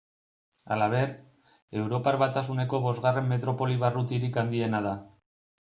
Halaber, Europar Batasuneko bosgarren metropoli-barrutirik handiena da.